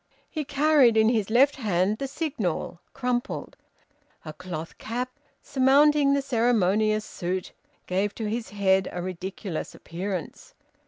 He carried in his left hand the "Signal," crumpled. A cloth cap, surmounting the ceremonious suit, gave to his head a ridiculous appearance.